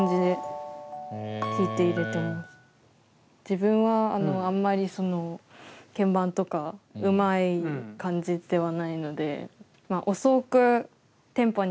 自分はあんまりその鍵盤とかうまい感じではないので。